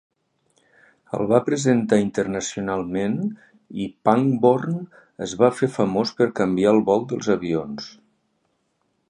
El va presentar internacionalment i Pangborn es va fer famós per canviar el vol dels avions.